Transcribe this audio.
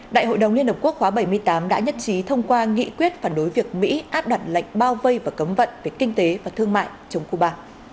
đại hội đồng liên hợp quốc khóa bảy mươi tám đã nhất trí thông qua nghị quyết phản đối việc mỹ áp đặt lệnh bao vây và cấm vận về kinh tế và thương mại chống cuba